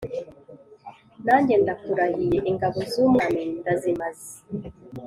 nanjye ndakurahiye ingabo zumwami ndazimaze"